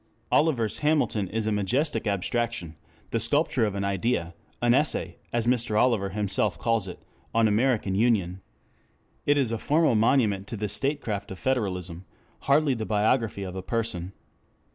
Oliver's Hamilton is a majestic abstraction, the sculpture of an idea, "an essay" as Mr. Oliver himself calls it, "on American union." It is a formal monument to the state craft of federalism, hardly the biography of a person.